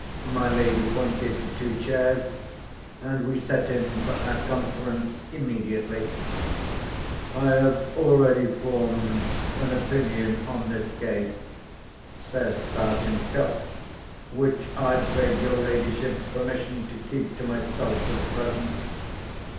My lady pointed to two chairs, and we set in for our conference immediately. "I have already formed an opinion on this case," says Sergeant Cuff, "which I beg your ladyship's permission to keep to myself for the present.